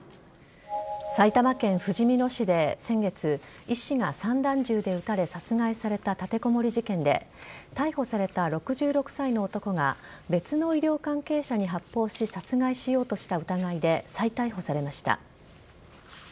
埼玉県ふじみ野市で先月医師が散弾銃で撃たれ殺害された立てこもり事件で逮捕された６６歳の男が別の医療関係者に発砲し殺害しようとした疑いで再逮捕されました。